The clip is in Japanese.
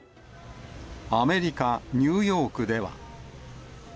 アメリカ・ニューヨークでは。